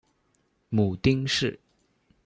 母丁氏。